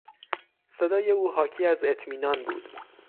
صدای او حاکی از اطمینان بود.